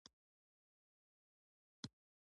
باید ټول ولس ومني که میچنې هم په خلکو ګرځوي